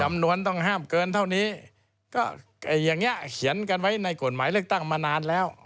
วนต้องห้ามเกินเท่านี้ก็อย่างนี้เขียนกันไว้ในกฎหมายเลือกตั้งมานานแล้ว